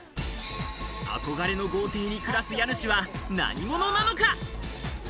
憧れの豪邸に暮らす家主は何者なのか？